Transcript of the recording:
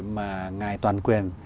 mà ngài toàn quyền